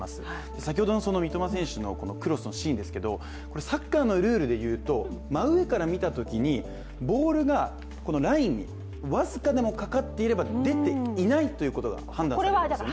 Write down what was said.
先ほどの三笘選手のクロスのシーンですけどサッカーのルールでいうと、真上から見たときにボールがラインに僅かでもかかっていれば出ていないということが判断されるんですよね。